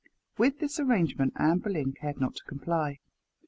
With this arrangement Anne Boleyn cared not to comply.